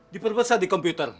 diperbesar di komputer